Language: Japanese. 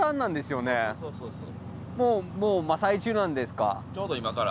もう真っ最中なんですか？